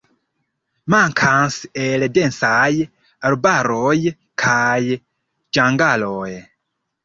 Mankas el densaj arbaroj kaj ĝangaloj.